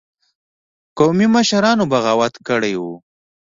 قومي مشرانو بغاوت کړی وو.